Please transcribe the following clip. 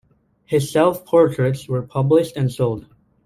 His self-portraits were published and sold.